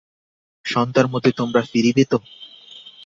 সন্ধ্যার মধ্যে তোমরা ফিরিবে তো?